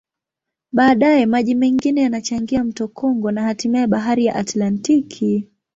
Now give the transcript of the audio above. Baadaye, maji mengine yanachangia mto Kongo na hatimaye Bahari ya Atlantiki.